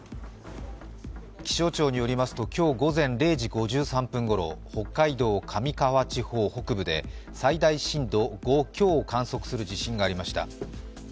気象庁によりますと今日午前０時５３分ごろ北海道上川地方北部で最大震度５強を観測する地震がありました。